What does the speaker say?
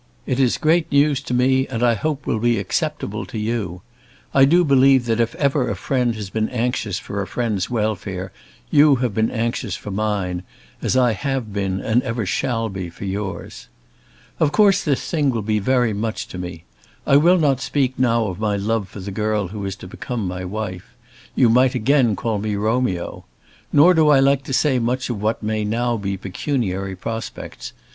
It is great news to me, and I hope will be acceptable to you. I do believe that if ever a friend has been anxious for a friend's welfare you have been anxious for mine, as I have been and ever shall be for yours. Of course this thing will be very much to me. I will not speak now of my love for the girl who is to become my wife. You might again call me Romeo. Nor do I like to say much of what may now be pecuniary prospects.